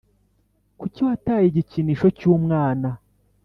Kuki wataye igikinisho cy’umwana